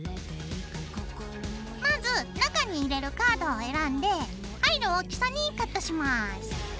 まず中に入れるカードを選んで入る大きさにカットします。